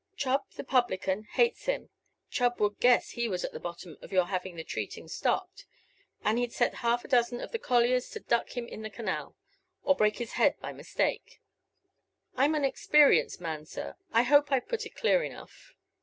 Chubb, the publican, hates him. Chubb would guess he was at the bottom of your having the treating stopped, and he'd set half a dozen of the colliers to duck him in the canal, or break his head by mistake. I'm an experienced man, sir. I hope I've put it clear enough."